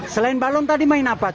selain balon tadi main apa